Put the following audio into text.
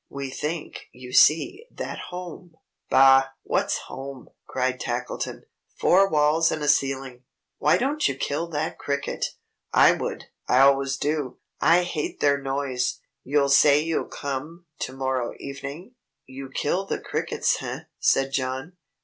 "We think, you see, that home " "Bah! What's home?" cried Tackleton. "Four walls and a ceiling! Why don't you kill that cricket? I would! I always do! I hate their noise! You'll say you'll come, to morrow evening?" "You kill the crickets, eh?" said John.